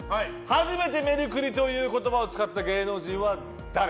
初めてメリクリという言葉を使った芸能人は誰？